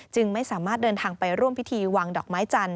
ไม่สามารถเดินทางไปร่วมพิธีวางดอกไม้จันท